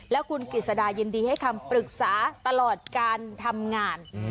แล้วคุณกฤษดายินดีให้คำปรึกษาตลอดการทำงาน